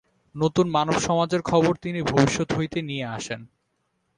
নতুন মানব সমাজের খবর তিনি ভবিষ্যত হইতে নিয়া আসেন।